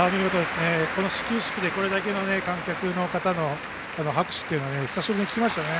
この始球式でこれだけの観客の方の拍手というのは久しぶりに聞きました。